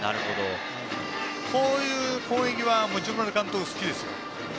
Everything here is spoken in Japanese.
こういう攻撃は持丸監督、好きですよ。